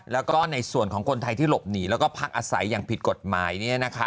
แล้วก็ในส่วนของคนไทยที่หลบหนีแล้วก็พักอาศัยอย่างผิดกฎหมาย